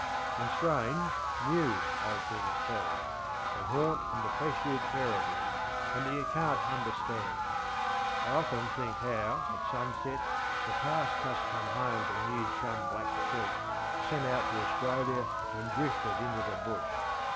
And strange, new old things too, that haunt and depress you terribly, and that you canŌĆÖt understand. I often think how, at sunset, the past must come home to new chum blacksheep, sent out to Australia and drifted into the Bush.